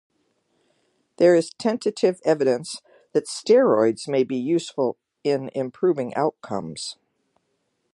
There is tentative evidence that steroids may be useful in improving outcomes.